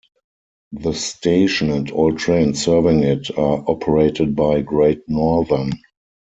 The station, and all trains serving it, are operated by Great Northern.